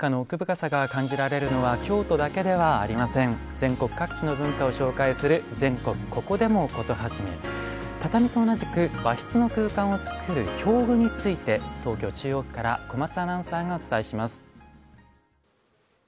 全国各地の文化を紹介する畳と同じく和室の空間を作る表具について東京・中央区から小松アナウンサーがお伝えします。